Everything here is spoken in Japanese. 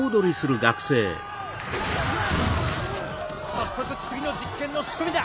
早速次の実験の仕込みだ！